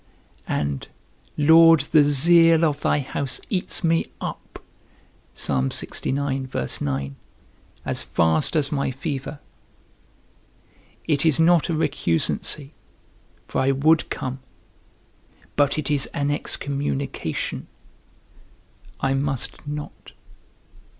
And, Lord, the zeal of thy house eats me up, as fast as my fever; it is not a recusancy, for I would come, but it is an excommunication, I must not.